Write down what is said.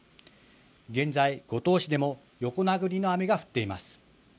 現在、五島市でも横殴りの雨が降っています。